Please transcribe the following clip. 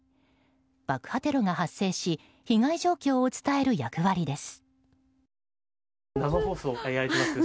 爆破テロが発生し被害状況を伝える役割です。